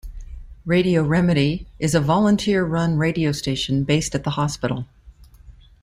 Radio Remedy is a volunteer run radio station based at the hospital.